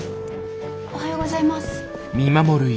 おはようございます。